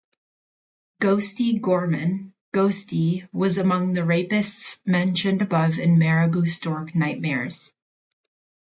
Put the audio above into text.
"Ghostie" Gorman - Ghostie was among the rapists mentioned above in "Marabou Stork Nightmares".